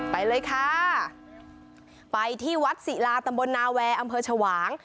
ไปเลยค่ะไปที่วัดศิลาตำบลนาแวอำเภอชวาง